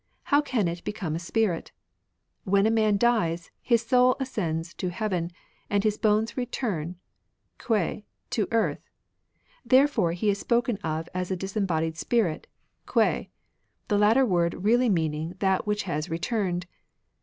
How can it become a spirit ?... When a man dies, his soul ascends to heaven, and his bones return {ktiei) to earth ; therefore he is spoken of as a disembodied spirit (k^iei), the latter word really meaning that which has re turned.